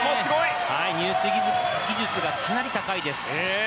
入水技術がかなり高いです。